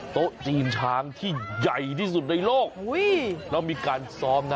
โต๊ะจีนช้างที่ใหญ่ที่สุดในโลกอุ้ยแล้วมีการซ้อมนะ